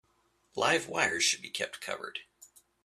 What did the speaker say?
Live wires should be kept covered.